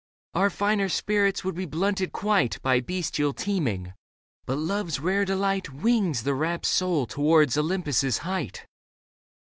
Our finer spirits would be blunted quite By bestial teeming ; but Love's rare delight Wings the rapt soul towards Olympus' height."